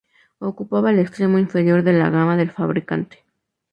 Ocupaba el extremo inferior de la gama del fabricante.